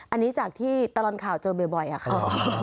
อันนี้จากที่ตลอดข่าวเจอบ่อยอะค่ะ